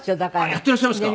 やっていらっしゃいますか？